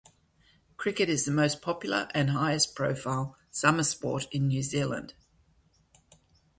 Cricket is the most popular and highest profile summer sport in New Zealand.